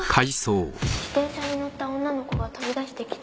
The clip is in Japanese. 自転車に乗った女の子が飛び出してきて